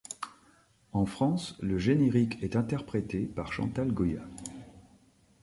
En France, le générique est interprété par Chantal Goya.